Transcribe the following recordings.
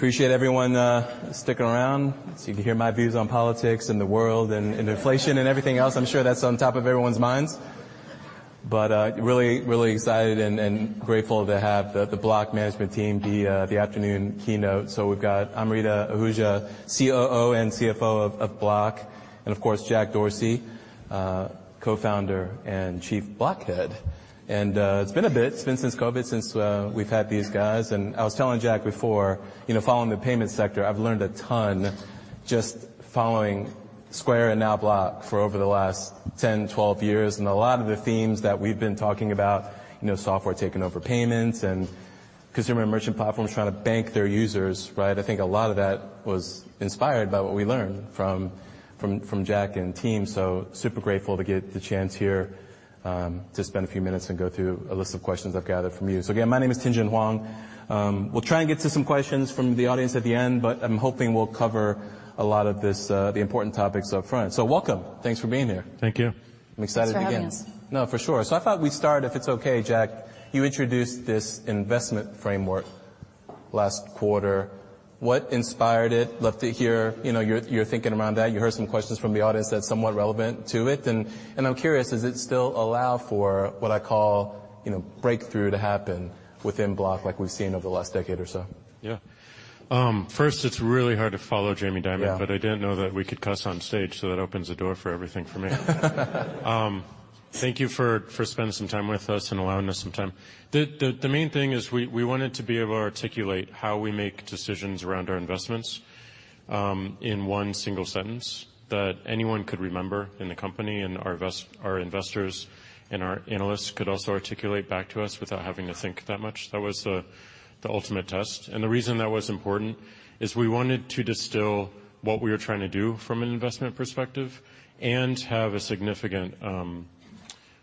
Appreciate everyone sticking around so you can hear my views on politics and the world and inflation and everything else. I'm sure that's on top of everyone's minds. Really, really excited and grateful to have the Block management team be the afternoon keynote. We've got Amrita Ahuja, COO and CFO of Block, and of course, Jack Dorsey, co-founder and chief Block Head. It's been a bit, it's been since COVID since we've had these guys, and I was telling Jack before, you know, following the payment sector, I've learned a ton just following Square and now Block for over the last 10, 12 years. A lot of the themes that we've been talking about, you know, software taking over payments and consumer and merchant platforms trying to bank their users, right? I think a lot of that was inspired by what we learned from Jack and team. Super grateful to get the chance here to spend a few minutes and go through a list of questions I've gathered from you. Again, my name is Tien-tsin Huang. We'll try and get to some questions from the audience at the end, but I'm hoping we'll cover a lot of the important topics up front. Welcome. Thanks for being here. Thank you. I'm excited to begin. Thanks for having us. No, for sure. I thought we'd start, if it's okay, Jack, you introduced this investment framework last quarter. What inspired it? Love to hear, you know, your thinking around that. You heard some questions from the audience that's somewhat relevant to it. I'm curious, does it still allow for what I call, you know, breakthrough to happen within Block like we've seen over the last decade or so? Yeah. first, it's really hard to follow Jamie Dimon. Yeah. I didn't know that we could cuss on stage, so that opens the door for everything for me. Thank you for spending some time with us and allowing us some time. The main thing is we wanted to be able to articulate how we make decisions around our investments in one single sentence that anyone could remember in the company and our investors and our analysts could also articulate back to us without having to think that much. That was the ultimate test. The reason that was important is we wanted to distill what we were trying to do from an investment perspective and have a significant attribute...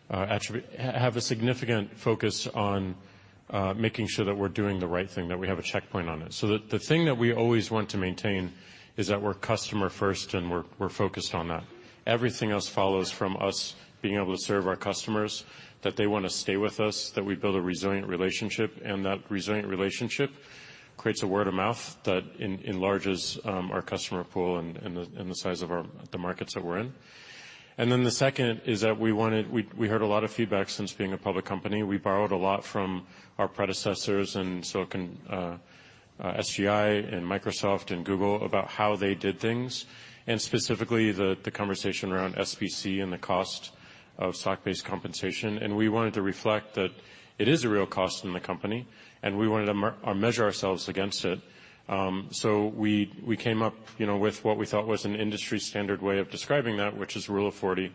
have a significant focus on making sure that we're doing the right thing, that we have a checkpoint on it. The thing that we always want to maintain is that we're customer first, and we're focused on that. Everything else follows from us being able to serve our customers, that they wanna stay with us, that we build a resilient relationship, and that resilient relationship creates a word of mouth that enlarges our customer pool and the size of our the markets that we're in. The second is that we heard a lot of feedback since being a public company. We borrowed a lot from our predecessors, and so can SGI and Microsoft and Google about how they did things, and specifically the conversation around SBC and the cost of stock-based compensation. We wanted to reflect that it is a real cost in the company, and we wanted to measure ourselves against it. We came up, you know, with what we thought was an industry standard way of describing that which is Rule of 40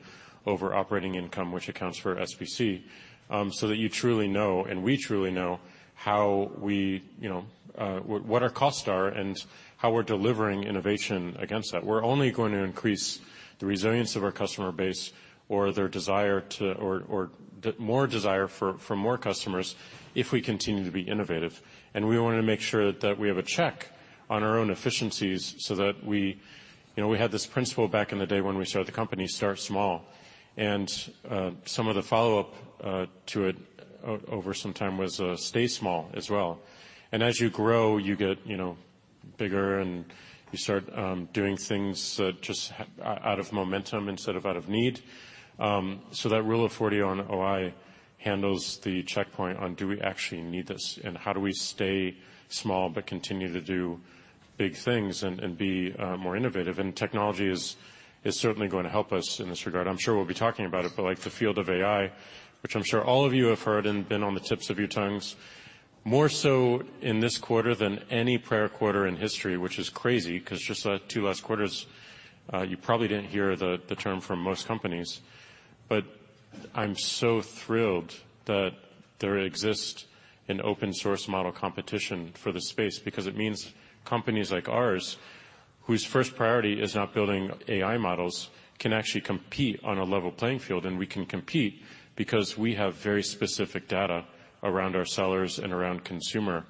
over Operating Income, which accounts for SBC. That you truly know and we truly know how we, you know, what our costs are and how we're delivering innovation against that. We're only going to increase the resilience of our customer base or their desire to or the more desire for more customers if we continue to be innovative. We want to make sure that we have a check on our own efficiencies. You know, we had this principle back in the day when we started the company, start small. Some of the follow-up to it over some time was stay small as well. As you grow, you get, you know, bigger, and you start doing things just out of momentum instead of out of need. That Rule of 40 on OI handles the checkpoint on do we actually need this, and how do we stay small but continue to do big things and be more innovative? Technology is certainly going to help us in this regard. I'm sure we'll be talking about it, but like the field of AI, which I'm sure all of you have heard and been on the tips of your tongues, more so in this quarter than any prior quarter in history, which is crazy 'cause just two last quarters, you probably didn't hear the term from most companies. I'm so thrilled that there exists an open source model competition for the space because it means companies like ours, whose first priority is not building AI models, can actually compete on a level playing field, and we can compete because we have very specific data around our sellers and around consumer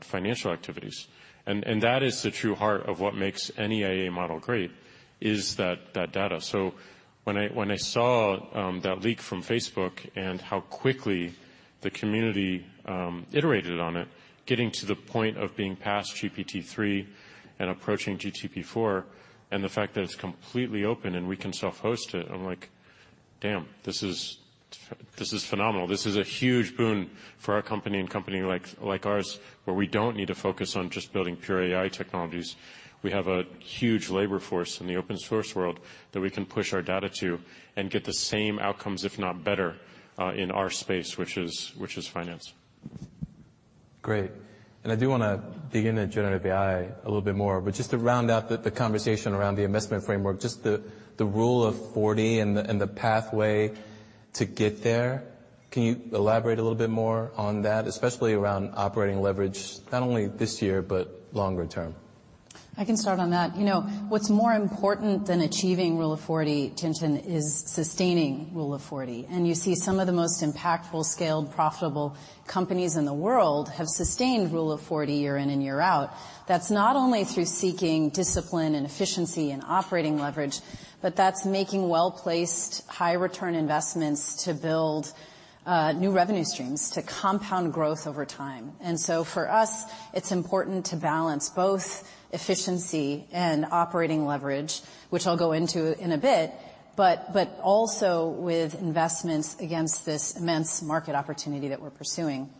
financial activities. That is the true heart of what makes any AI model great, is that data. When I saw that leak from Facebook and how quickly the community iterated on it, getting to the point of being past GPT-3 and approaching GPT-4, and the fact that it's completely open and we can self-host it, I'm like, "Damn, this is phenomenal." This is a huge boon for our company and company like ours, where we don't need to focus on just building pure AI technologies. We have a huge labor force in the open source world that we can push our data to and get the same outcomes, if not better, in our space, which is finance. Great. I do wanna dig into generative AI a little bit more, but just to round out the conversation around the investment framework, just the Rule of 40 and the, and the pathway to get there, can you elaborate a little bit more on that, especially around operating leverage, not only this year, but longer term? I can start on that. You know, what's more important than achieving Rule of 40, Tien-tsin, is sustaining Rule of 40. You see some of the most impactful, scaled, profitable companies in the world have sustained Rule of 40 year in and year out. That's not only through seeking discipline and efficiency and operating leverage, but that's making well-placed high return investments to build new revenue streams to compound growth over time. For us, it's important to balance both efficiency and operating leverage, which I'll go into in a bit, but also with investments against this immense market opportunity that we're pursuing.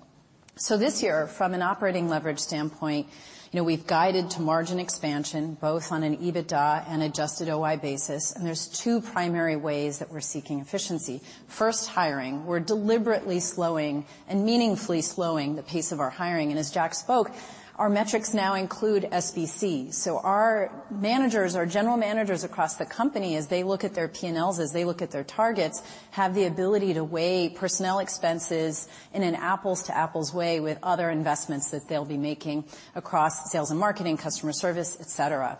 This year, from an operating leverage standpoint, you know, we've guided to margin expansion, both on an EBITDA and Adjusted OI basis, and there's two primary ways that we're seeking efficiency. First, hiring. We're deliberately slowing and meaningfully slowing the pace of our hiring. As Jack spoke, our metrics now include SBC. Our managers, our general managers across the company, as they look at their P&Ls, as they look at their targets, have the ability to weigh personnel expenses in an apples to apples way with other investments that they'll be making across sales and marketing, customer service, et cetera.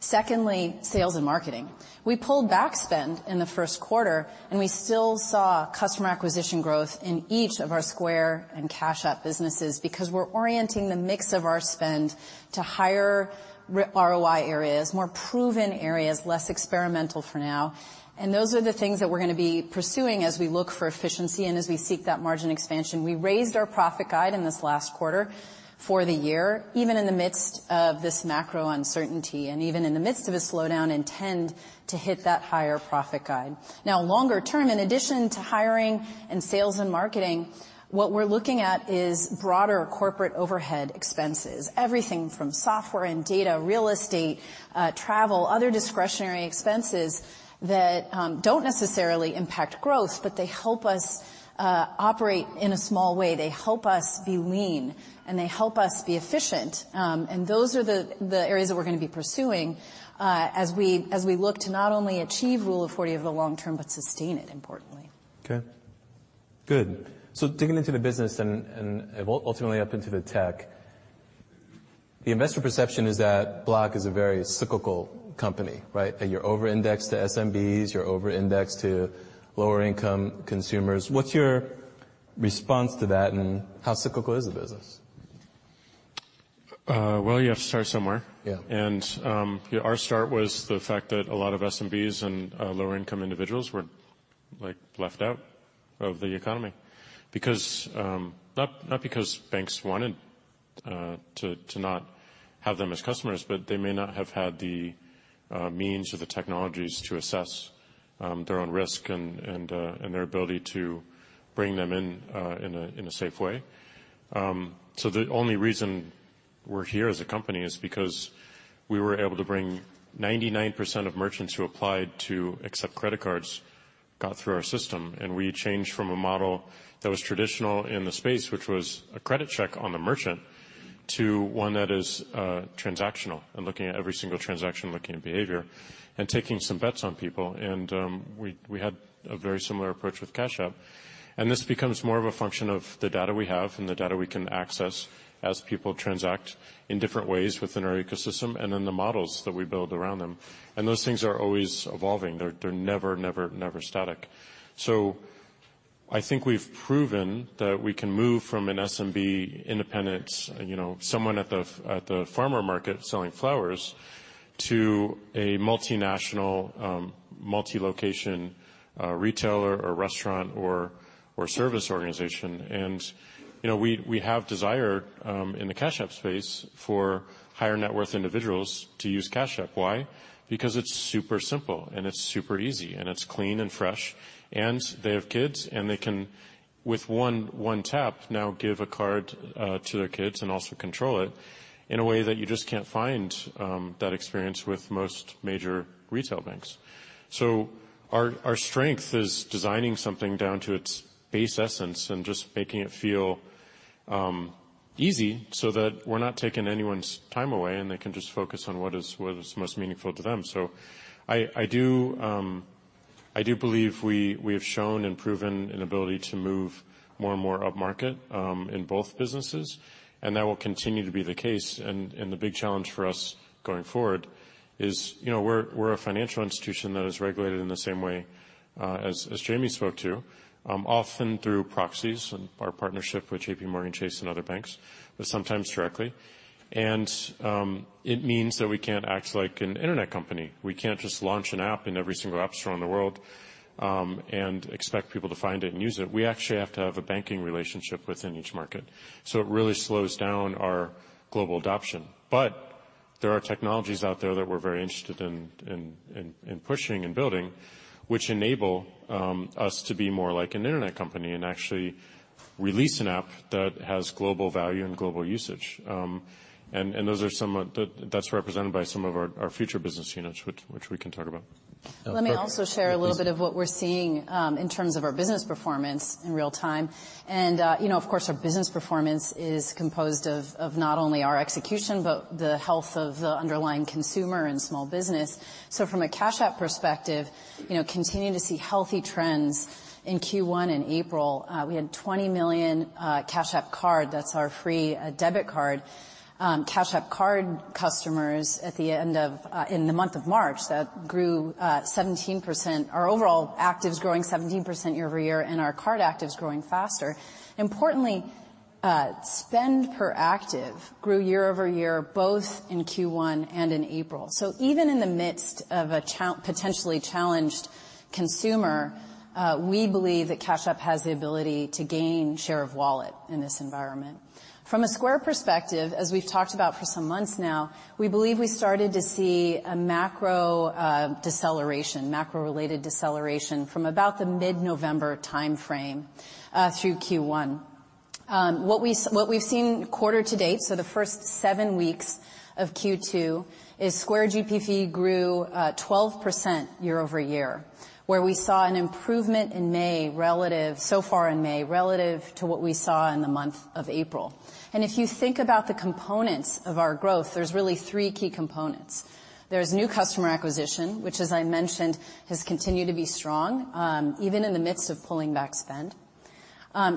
Secondly, sales and marketing. We pulled back spend in the first quarter, and we still saw customer acquisition growth in each of our Square and Cash App businesses because we're orienting the mix of our spend to higher ROI areas, more proven areas, less experimental for now. Those are the things that we're gonna be pursuing as we look for efficiency and as we seek that margin expansion. We raised our profit guide in this last quarter for the year, even in the midst of this macro uncertainty, and even in the midst of a slowdown, intend to hit that higher profit guide. Now longer term, in addition to hiring and sales and marketing, what we're looking at is broader corporate overhead expenses. Everything from software and data, real estate, travel, other discretionary expenses that don't necessarily impact growth, but they help us operate in a small way. They help us be lean, and they help us be efficient. Those are the areas that we're gonna be pursuing as we look to not only achieve Rule of 40 over the long term, but sustain it, importantly. Okay. Good. Digging into the business and ultimately up into the tech, the investor perception is that Block is a very cyclical company, right? That you're over-indexed to SMBs, you're over-indexed to lower income consumers. What's your response to that, and how cyclical is the business? Well, you have to start somewhere. Yeah. Our start was the fact that a lot of SMBs and lower income individuals were, like, left out of the economy because not because banks wanted to not have them as customers, but they may not have had the means or the technologies to assess their own risk and their ability to bring them in in a safe way. The only reason we're here as a company is because we were able to bring 99% of merchants who applied to accept credit cards got through our system, and we changed from a model that was traditional in the space, which was a credit check on the merchant, to one that is transactional and looking at every single transaction, looking at behavior and taking some bets on people. We had a very similar approach with Cash App. This becomes more of a function of the data we have and the data we can access as people transact in different ways within our ecosystem, and then the models that we build around them. Those things are always evolving. They're never, never static. I think we've proven that we can move from an SMB independent, you know, someone at the, at the farmer market selling flowers to a multinational, multi-location, retailer or restaurant or service organization. You know, we have desire in the Cash App space for higher net worth individuals to use Cash App. Why? Because it's super simple, and it's super easy, and it's clean and fresh. They have kids, and they can, with 1 tap, now give a card to their kids and also control it in a way that you just can't find that experience with most major retail banks. Our strength is designing something down to its base essence and just making it feel easy so that we're not taking anyone's time away, and they can just focus on what is most meaningful to them. I do believe we have shown and proven an ability to move more and more up market in both businesses, and that will continue to be the case. The big challenge for us going forward is, you know, we're a financial institution that is regulated in the same way, as Jamie spoke to, often through proxies and our partnership with JPMorgan Chase and other banks, but sometimes directly. It means that we can't act like an internet company. We can't just launch an app in every single app store in the world, and expect people to find it and use it. We actually have to have a banking relationship within each market. It really slows down our global adoption. There are technologies out there that we're very interested in pushing and building, which enable us to be more like an internet company and actually release an app that has global value and global usage. Those are some of the... That's represented by some of our future business units, which we can talk about. Let me also share a little bit of what we're seeing, in terms of our business performance in real time. you know, of course, our business performance is composed of not only our execution, but the health of the underlying consumer and small business. From a Cash App perspective, you know, continuing to see healthy trends in Q1 in April. We had $20 million Cash App Card, that's our free debit card, Cash App Card customers in the month of March that grew 17%. Our overall active is growing 17% year-over-year, and our Card active is growing faster. Importantly, spend per active grew year-over-year, both in Q1 and in April. Even in the midst of a potentially challenged consumer, we believe that Cash App has the ability to gain share of wallet in this environment. From a Square perspective, as we've talked about for some months now, we believe we started to see a macro deceleration, macro-related deceleration from about the mid-November timeframe through Q1. What we've seen quarter to date, so the first seven weeks of Q2, is Square GPV grew 12% year-over-year, where we saw an improvement in May so far in May, relative to what we saw in the month of April. If you think about the components of our growth, there's really three key components. There's new customer acquisition, which as I mentioned, has continued to be strong, even in the midst of pulling back spend.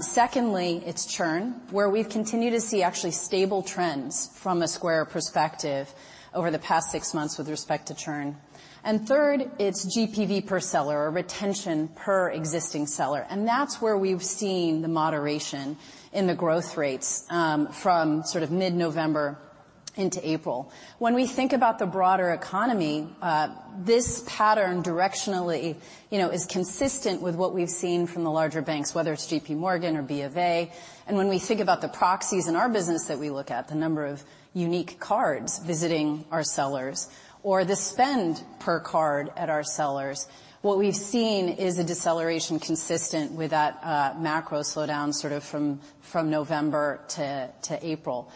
Secondly, it's churn, where we've continued to see actually stable trends from a Square perspective over the past six months with respect to churn. Third, it's GPV per seller or retention per existing seller, and that's where we've seen the moderation in the growth rates from sort of mid-November into April. When we think about the broader economy, this pattern directionally, you know, is consistent with what we've seen from the larger banks, whether it's JPMorgan or Bank of America. When we think about the proxies in our business that we look at, the number of unique cards visiting our sellers or the spend per card at our sellers, what we've seen is a deceleration consistent with that macro slowdown sort of from November to April.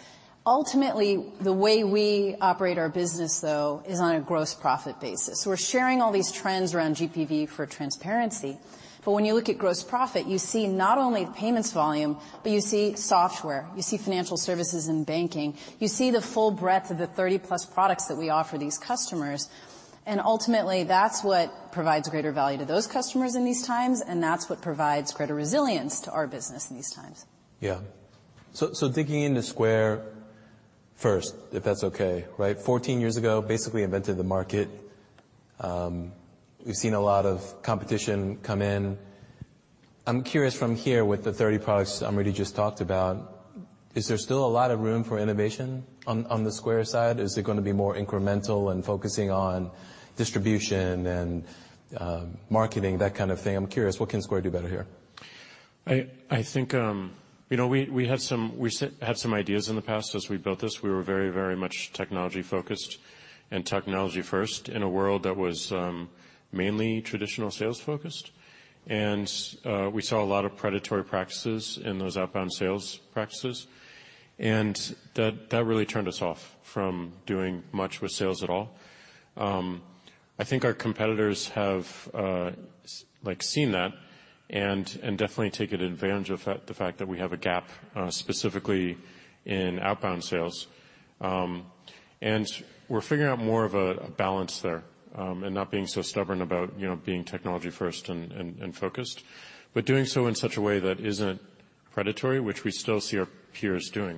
Ultimately, the way we operate our business, though, is on a gross profit basis. We're sharing all these trends around GPV for transparency, but when you look at gross profit, you see not only payments volume, but you see software, you see financial services and banking, you see the full breadth of the 30+ products that we offer these customers. Ultimately, that's what provides greater value to those customers in these times, and that's what provides greater resilience to our business in these times. So digging into Square first, if that's okay, right? 14 years ago, basically invented the market. We've seen a lot of competition come in. I'm curious from here with the 30 products Amrita just talked about, is there still a lot of room for innovation on the Square side? Is it gonna be more incremental and focusing on distribution and marketing, that kind of thing? I'm curious, what can Square do better here? I think, you know, we had some ideas in the past as we built this. We were very, very much technology-focused and technology-first in a world that was mainly traditional sales focused. We saw a lot of predatory practices in those outbound sales practices, and that really turned us off from doing much with sales at all. I think our competitors have like seen that and definitely taken advantage of the fact that we have a gap specifically in outbound sales. We're figuring out more of a balance there and not being so stubborn about, you know, being technology first and focused, but doing so in such a way that isn't predatory, which we still see our peers doing.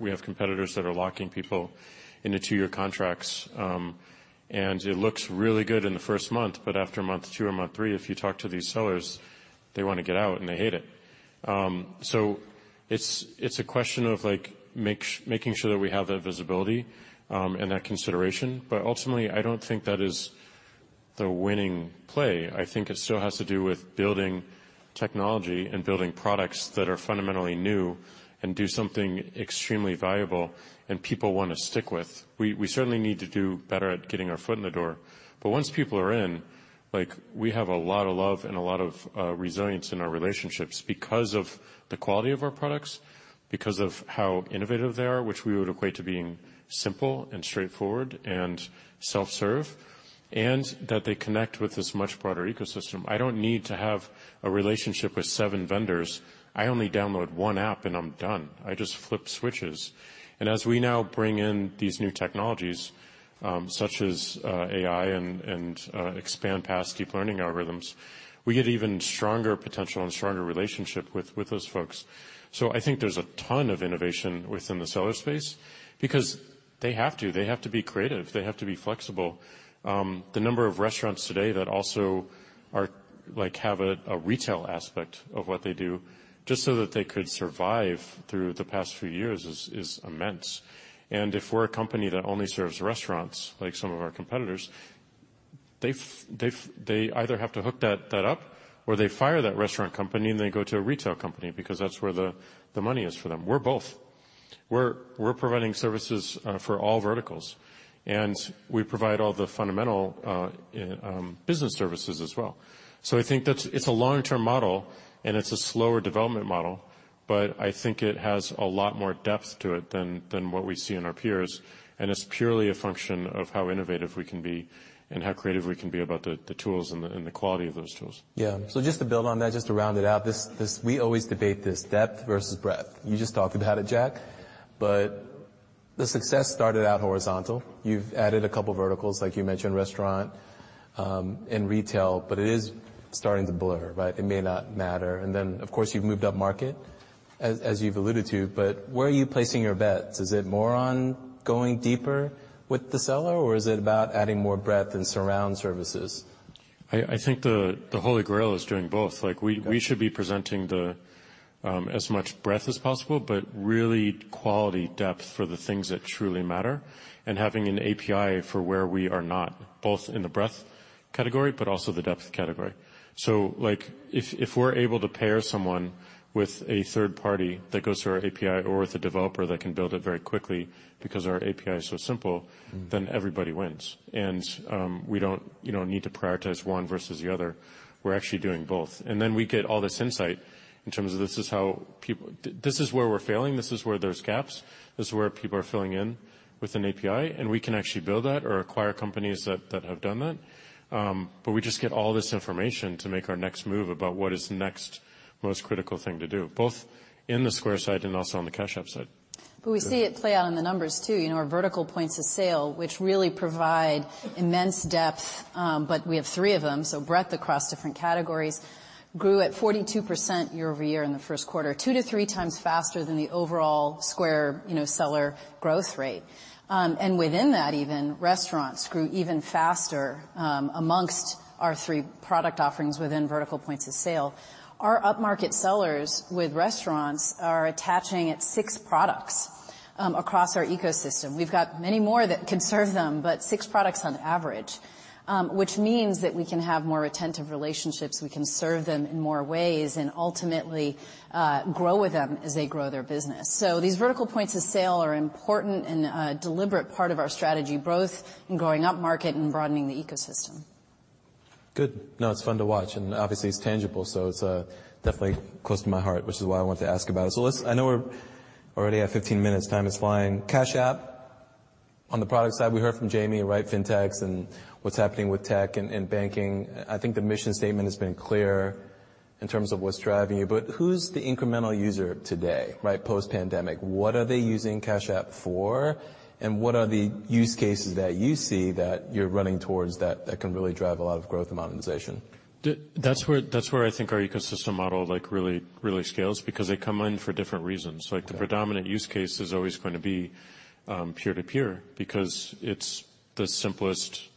We have competitors that are locking people into two-year contracts, and it looks really good in the first month, but after month two or month three, if you talk to these sellers, they wanna get out, and they hate it. It's a question of like, making sure that we have that visibility, and that consideration. Ultimately, I don't think that is the winning play. I think it still has to do with building technology and building products that are fundamentally new and do something extremely valuable and people wanna stick with. We certainly need to do better at getting our foot in the door. Once people are in, like, we have a lot of love and a lot of resilience in our relationships because of the quality of our products, because of how innovative they are, which we would equate to being simple and straightforward and self-serve, and that they connect with this much broader ecosystem. I don't need to have a relationship with seven vendors. I only download one app, and I'm done. I just flip switches. As we now bring in these new technologies, such as AI and expand past deep learning algorithms, we get even stronger potential and stronger relationship with those folks. I think there's a ton of innovation within the seller space because they have to. They have to be creative. They have to be flexible. The number of restaurants today that also are... like, have a retail aspect of what they do just so that they could survive through the past few years is immense. If we're a company that only serves restaurants like some of our competitors, they either have to hook that up or they fire that restaurant company, and they go to a retail company because that's where the money is for them. We're both. We're providing services for all verticals, and we provide all the fundamental business services as well. I think that's it's a long-term model, and it's a slower development model, but I think it has a lot more depth to it than what we see in our peers, and it's purely a function of how innovative we can be and how creative we can be about the tools and the quality of those tools. Yeah. Just to build on that, just to round it out, we always debate this, depth versus breadth. You just talked about it, Jack, The success started out horizontal. You've added a couple verticals, like you mentioned restaurant and retail, it is starting to blur, right? It may not matter. Of course, you've moved up market as you've alluded to, Where are you placing your bets? Is it more on going deeper with the seller, or is it about adding more breadth and surround services? I think the Holy Grail is doing both. Like we- Okay. We should be presenting the, as much breadth as possible, but really quality depth for the things that truly matter. Having an API for where we are not, both in the breadth category but also the depth category. Like, if we're able to pair someone with a third party that goes through our API or with a developer that can build it very quickly because our API is so simple. Mm-hmm. everybody wins. We don't, you know, need to prioritize one versus the other. We're actually doing both. We get all this insight in terms of this is how this is where we're failing, this is where there's gaps, this is where people are filling in with an API, and we can actually build that or acquire companies that have done that. We just get all this information to make our next move about what is the next most critical thing to do, both in the Square side and also on the Cash App side. We see it play out in the numbers too. You know, our vertical points of sale, which really provide immense depth, but we have three of them, so breadth across different categories, grew at 42% year-over-year in the first quarter, 2x-3x faster than the overall Square, you know, seller growth rate. Within that even, restaurants grew even faster amongst our three product offerings within vertical points of sale. Our up-market sellers with restaurants are attaching at six products across our ecosystem. We've got many more that could serve them, but six products on average, which means that we can have more attentive relationships, we can serve them in more ways, and ultimately, grow with them as they grow their business. These vertical points of sale are important and a deliberate part of our strategy, both in growing up market and broadening the ecosystem. Good. It's fun to watch, and obviously it's tangible, so it's definitely close to my heart, which is why I wanted to ask about it. I know we're already at 15 minutes. Time is flying. Cash App, on the product side, we heard from Jamie, right, Fintechs and what's happening with tech and banking. I think the mission statement has been clear in terms of what's driving you, but who's the incremental user today, right? Post-pandemic. What are they using Cash App for, and what are the use cases that you see that you're running towards that can really drive a lot of growth and monetization? That's where I think our ecosystem model, like, really scales because they come in for different reasons. Yeah. Like, the predominant use case is always going to be peer-to-peer because it's the simplest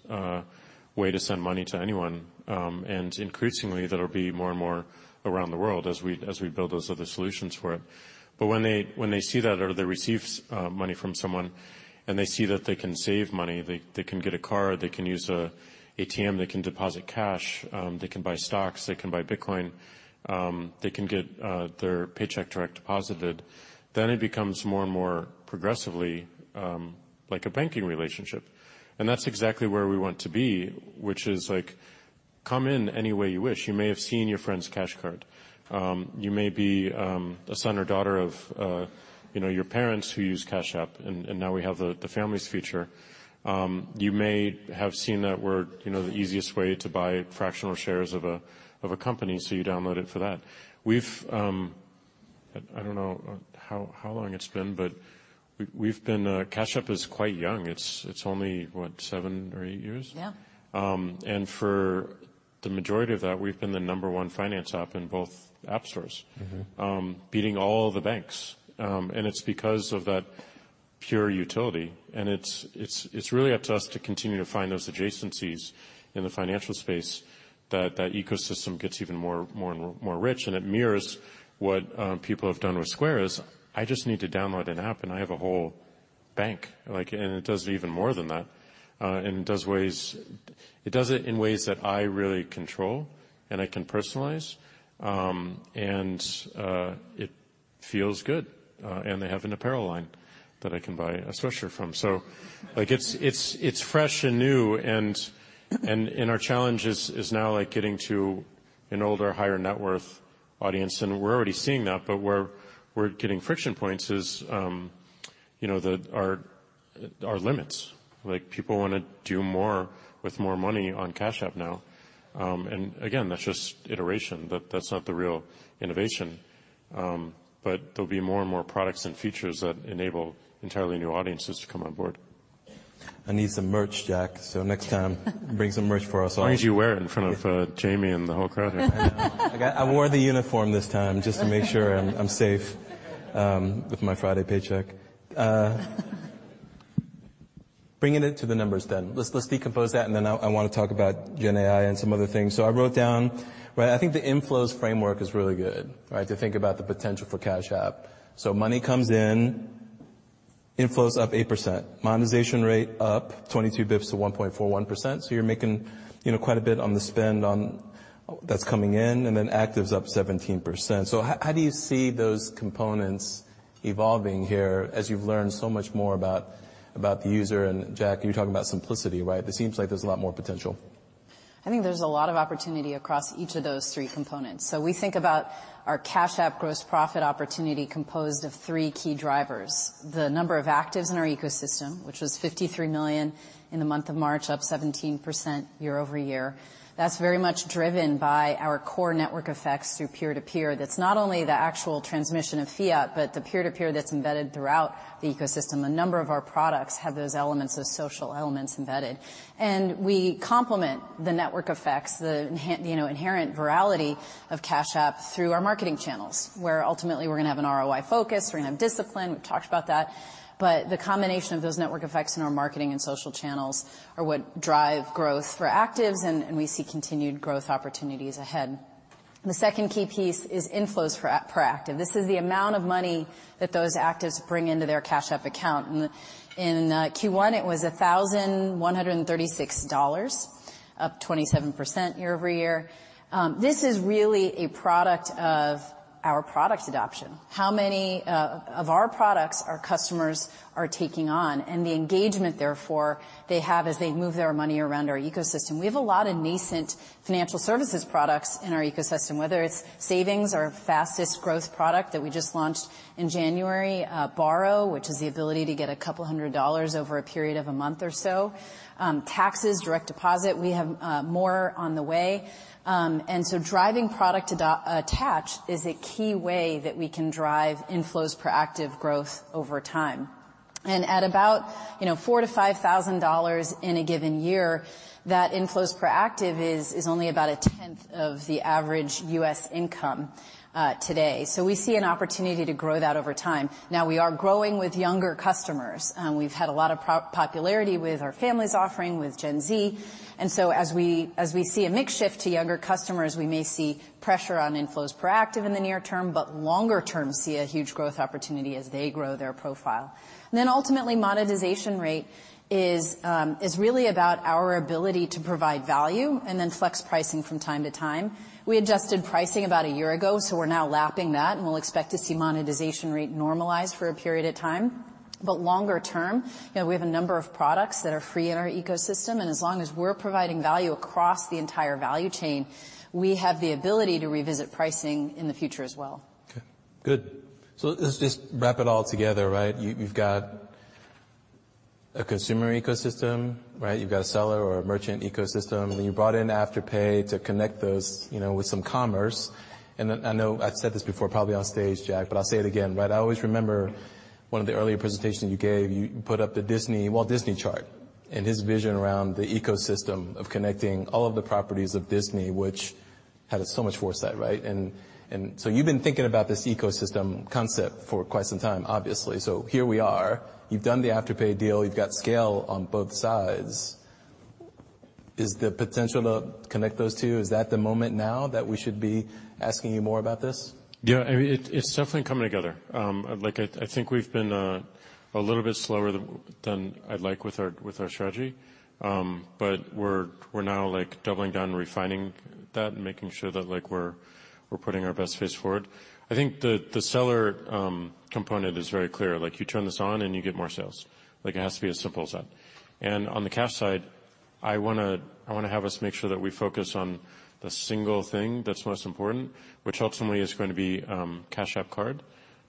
way to send money to anyone. Increasingly, that'll be more and more around the world as we build those other solutions for it. When they see that or they receive money from someone, and they see that they can save money, they can get a card, they can use an ATM, they can deposit cash, they can buy stocks, they can buy Bitcoin, they can get their paycheck direct deposited, then it becomes more and more progressively like a banking relationship. That's exactly where we want to be, which is like come in any way you wish. You may have seen your friend's Cash Card. You may be, you know, a son or daughter of, you know, your parents who use Cash App, and now we have the Families feature. You may have seen that we're, you know, the easiest way to buy fractional shares of a company, so you download it for that. I don't know how long it's been, but we've been... Cash App is quite young. It's only, what? Seven or eight years? Yeah. For the majority of that, we've been the number one finance app in both app stores. Mm-hmm. Beating all the banks. It's because of that pure utility, and it's really up to us to continue to find those adjacencies in the financial space that that ecosystem gets even more and more rich, and it mirrors what people have done with Square, is I just need to download an app, and I have a whole bank. Like, it does even more than that. It does it in ways that I really control and I can personalize. It feels good. They have an apparel line that I can buy a sweatshirt from. Like, it's fresh and new, and our challenge is now, like, getting to an older, higher net worth audience, and we're already seeing that. Where we're getting friction points is, you know, our limits. Like, people wanna do more with more money on Cash App now. Again, that's just iteration. That's not the real innovation. There'll be more and more products and features that enable entirely new audiences to come on board. I need some merch, Jack. Next time bring some merch for us. As long as you wear it in front of, Jamie and the whole crowd here. I wore the uniform this time just to make sure I'm safe with my Friday paycheck. Bringing it to the numbers then. Let's decompose that, and then I wanna talk about GenAI and some other things. I wrote down... Right, I think the inflows framework is really good, right? To think about the potential for Cash App. Money comes in, inflows up 8%, monetization rate up 22 bits to 1.41%. You're making, you know, quite a bit on the spend that's coming in, and then active's up 17%. How do you see those components evolving here as you've learned so much more about the user? Jack, you were talking about simplicity, right? This seems like there's a lot more potential. I think there's a lot of opportunity across each of those three components. We think about our Cash App gross profit opportunity composed of three key drivers. The number of actives in our ecosystem, which was 53 million in the month of March, up 17% year-over-year. That's very much driven by our core network effects through peer-to-peer. That's not only the actual transmission of fiat, but the peer-to-peer that's embedded throughout the ecosystem. A number of our products have those elements, those social elements embedded. We complement the network effects, the you know, inherent virality of Cash App through our marketing channels, where ultimately we're gonna have an ROI focus, we're gonna have discipline. We've talked about that. The combination of those network effects in our marketing and social channels are what drive growth for actives, and we see continued growth opportunities ahead. The second key piece is inflows per active. This is the amount of money that those actives bring into their Cash App account. In Q1, it was $1,136, up 27% year-over-year. This is really a product of our product adoption. How many of our products our customers are taking on, and the engagement therefore they have as they move their money around our ecosystem. We have a lot of nascent financial services products in our ecosystem, whether it's Savings, our fastest growth product that we just launched in January, Borrow, which is the ability to get a couple of hundred dollars over a period of a month or so. Taxes, direct deposit, we have more on the way. Driving product ado-attach is a key way that we can drive inflows per active growth over time. At about, you know, $4,000-$5,000 in a given year, that inflows per active is only about a tenth of the average U.S. income today. We see an opportunity to grow that over time. Now, we are growing with younger customers. We've had a lot of popularity with our families offering with Gen Z. As we see a mix shift to younger customers, we may see pressure on inflows per active in the near term, but longer term, see a huge growth opportunity as they grow their profile. Ultimately, monetization rate is really about our ability to provide value and then flex pricing from time to time. We adjusted pricing about a year ago, so we're now lapping that, and we'll expect to see monetization rate normalize for a period of time. Longer term, you know, we have a number of products that are free in our ecosystem, and as long as we're providing value across the entire value chain, we have the ability to revisit pricing in the future as well. Okay. Good. Let's just wrap it all together, right? You've got a consumer ecosystem, right? You've got a seller or a merchant ecosystem. You brought in Afterpay to connect those, you know, with some commerce. I know I've said this before, probably on stage, Jack, but I'll say it again, right? I always remember one of the earlier presentations you gave, you put up the Walt Disney chart and his vision around the ecosystem of connecting all of the properties of Disney, which had so much foresight, right? You've been thinking about this ecosystem concept for quite some time, obviously. Here we are. You've done the Afterpay deal. You've got scale on both sides. Is the potential to connect those two, is that the moment now that we should be asking you more about this? Yeah. I mean, it's definitely coming together. Like I think we've been a little bit slower than I'd like with our strategy. We're now, like, doubling down and refining that and making sure that, like, we're putting our best face forward. I think the seller component is very clear. Like, you turn this on and you get more sales. Like, it has to be as simple as that. On the cash side, I wanna have us make sure that we focus on the single thing that's most important, which ultimately is gonna be Cash App Card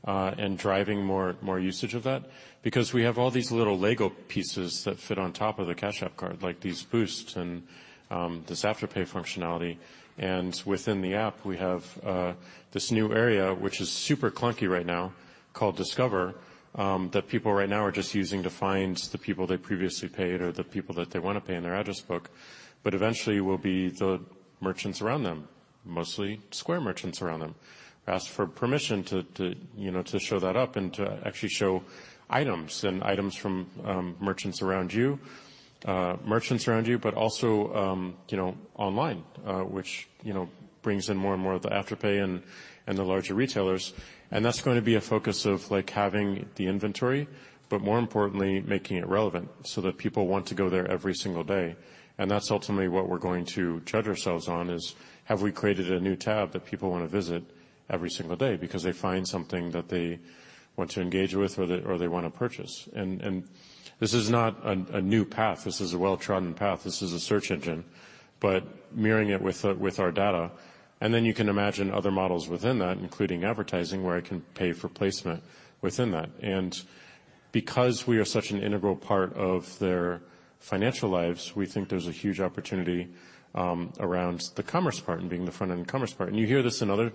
and driving more usage of that. Because we have all these little Lego pieces that fit on top of the Cash App Card, like these Boosts and this Afterpay functionality. Within the app, we have this new area, which is super clunky right now, called Discover, that people right now are just using to find the people they previously paid or the people that they wanna pay in their address book. Eventually will be the merchants around them, mostly Square merchants around them. Ask for permission to, you know, to show that up and to actually show items from merchants around you, but also, you know, online, which, you know, brings in more and more of the Afterpay and the larger retailers. That's gonna be a focus of, like, having the inventory, but more importantly, making it relevant so that people want to go there every single day. That's ultimately what we're going to judge ourselves on, is have we created a new tab that people wanna visit every single day because they find something that they want to engage with or they wanna purchase. This is not a new path. This is a well-trodden path. This is a search engine, but mirroring it with our data. Then you can imagine other models within that, including advertising, where I can pay for placement within that. Because we are such an integral part of their financial lives, we think there's a huge opportunity around the commerce part and being the front-end commerce part. You hear this in other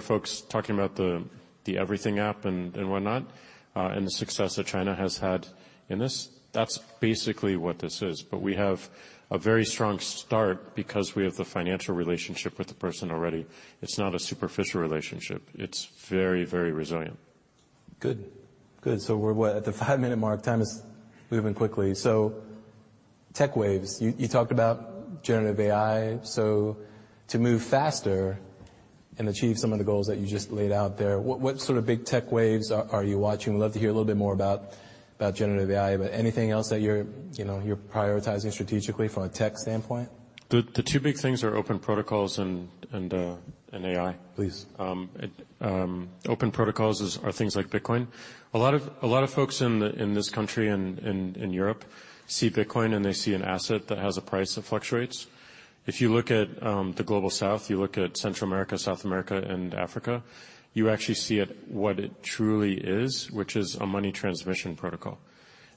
folks talking about the everything app and whatnot, and the success that China has had in this. That's basically what this is. We have a very strong start because we have the financial relationship with the person already. It's not a superficial relationship. It's very, very resilient. Good. Good. We're what? At the five minute mark. Time is moving quickly. Tech waves. You talked about generative AI. To move faster and achieve some of the goals that you just laid out there, what sort of big tech waves are you watching? We'd love to hear a little bit more about generative AI, but anything else that you're, you know, you're prioritizing strategically from a tech standpoint? The two big things are open protocols and AI. Please. Open protocols is, are things like Bitcoin. A lot of folks in this country and in Europe see Bitcoin, and they see an asset that has a price that fluctuates. If you look at the Global South, you look at Central America, South America, and Africa, you actually see it what it truly is, which is a money transmission protocol.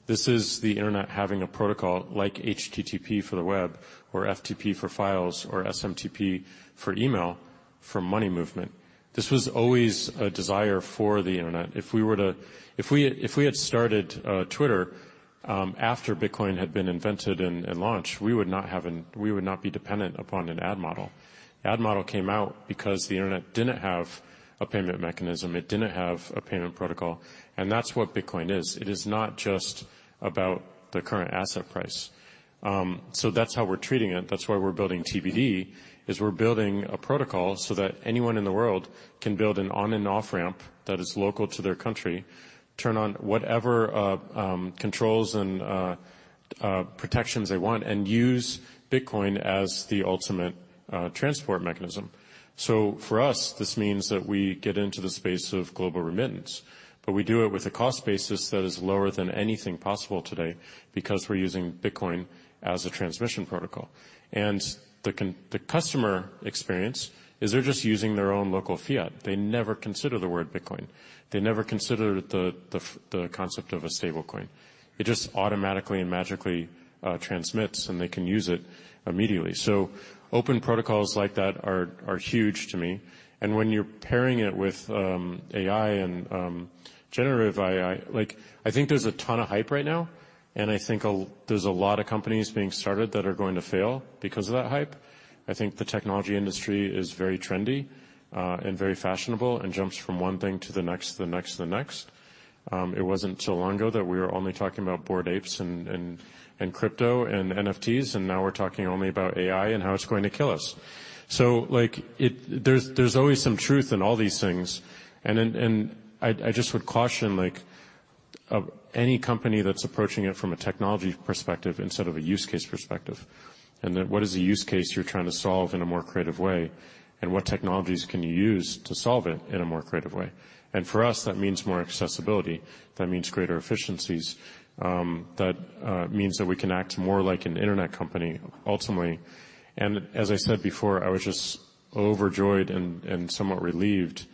This is the Internet having a protocol like HTTP for the web or FTP for files or SMTP for email for money movement. This was always a desire for the Internet. If we had started Twitter after Bitcoin had been invented and launched, we would not be dependent upon an ad model. Ad model came out because the internet didn't have a payment mechanism, it didn't have a payment protocol. That's what Bitcoin is. It is not just about the current asset price. That's how we're treating it. That's why we're building TBD, is we're building a protocol so that anyone in the world can build an on and off ramp that is local to their country, turn on whatever controls and protections they want and use Bitcoin as the ultimate transport mechanism. For us, this means that we get into the space of global remittance, but we do it with a cost basis that is lower than anything possible today because we're using Bitcoin as a transmission protocol. The customer experience is they're just using their own local fiat. They never consider the word Bitcoin. They never consider the concept of a stablecoin. It just automatically and magically transmits, and they can use it immediately. Open protocols like that are huge to me. When you're pairing it with AI and generative AI, like, I think there's a ton of hype right now, and I think there's a lot of companies being started that are going to fail because of that hype. I think the technology industry is very trendy and very fashionable and jumps from one thing to the next, to the next, to the next. It wasn't till long ago that we were only talking about Bored Apes and crypto and NFTs, and now we're talking only about AI and how it's going to kill us. Like, it. There's always some truth in all these things. I just would caution, like, of any company that's approaching it from a technology perspective instead of a use case perspective, and that what is the use case you're trying to solve in a more creative way, and what technologies can you use to solve it in a more creative way? For us, that means more accessibility, that means greater efficiencies, that means that we can act more like an internet company ultimately. As I said before, I was just overjoyed and somewhat relieved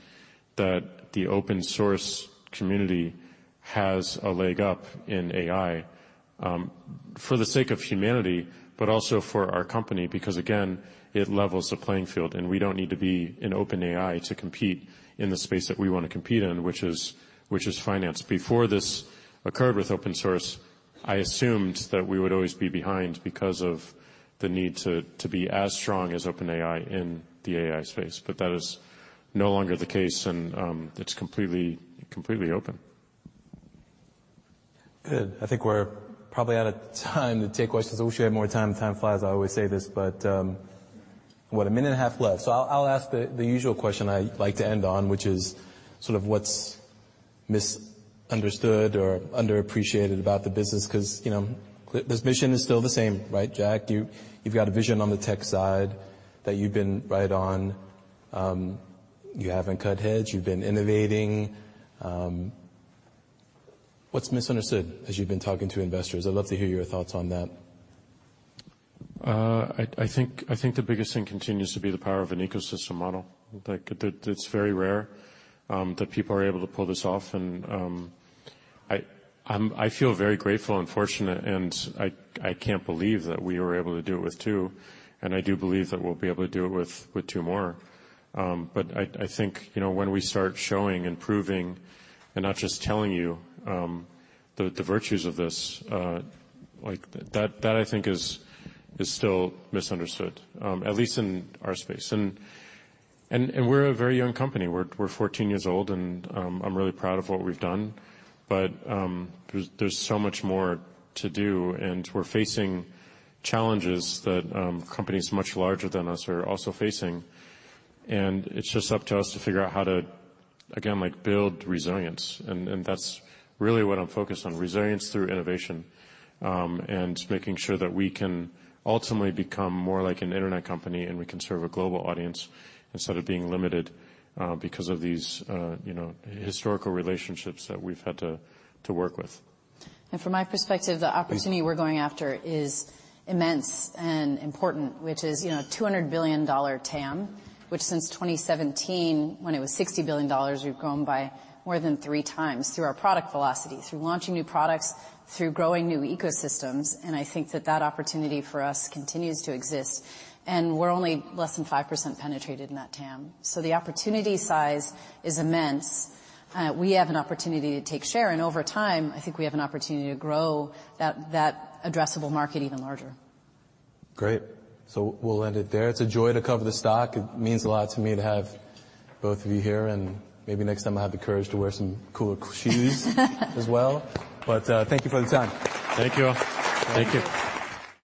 that the open source community has a leg up in AI for the sake of humanity, but also for our company, because, again, it levels the playing field, and we don't need to be an OpenAI to compete in the space that we wanna compete in, which is finance. Before this occurred with open source, I assumed that we would always be behind because of the need to be as strong as OpenAI in the AI space. That is no longer the case and it's completely open. Good. I think we're probably out of time to take questions. I wish we had more time. Time flies. I always say this, what? A minute and a half left. I'll ask the usual question I like to end on, which is sort of what's misunderstood or underappreciated about the business. You know, this vision is still the same, right, Jack? You've got a vision on the tech side that you've been right on. You haven't cut heads. You've been innovating. What's misunderstood as you've been talking to investors? I'd love to hear your thoughts on that. I think the biggest thing continues to be the power of an ecosystem model. Like, it's very rare that people are able to pull this off and I feel very grateful and fortunate and I can't believe that we were able to do it with two, and I do believe that we'll be able to do it with two more. I think, you know, when we start showing and proving and not just telling you the virtues of this, like, that I think is still misunderstood, at least in our space. We're a very young company. We're 14 years old and I'm really proud of what we've done. There's so much more to do and we're facing challenges that companies much larger than us are also facing, and it's just up to us to figure out how to, again, like, build resilience. That's really what I'm focused on, resilience through innovation and making sure that we can ultimately become more like an internet company and we can serve a global audience instead of being limited because of these, you know, historical relationships that we've had to work with. From my perspective, the opportunity we're going after is immense and important, which is, you know, $200 billion TAM, which since 2017, when it was $60 billion, we've grown by more than 3x through our product velocity, through launching new products, through growing new ecosystems, and I think that opportunity for us continues to exist. We're only less than 5% penetrated in that TAM. The opportunity size is immense. We have an opportunity to take share, and over time, I think we have an opportunity to grow that addressable market even larger. Great. We'll end it there. It's a joy to cover the stock. It means a lot to me to have both of you here, and maybe next time I'll have the courage to wear some cooler shoes as well. Thank you for the time. Thank you. Thank you.